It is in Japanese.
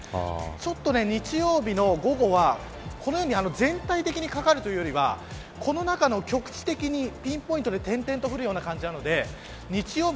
ちょっと日曜日の午後はこのように全体的にかかるというよりこの中の局地的にピンポイントで点々と降る感じなので日曜日